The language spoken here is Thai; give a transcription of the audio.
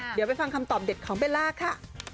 เดี๋ยวไปฟังคำตอบเด็ดของเบลล่าค่ะ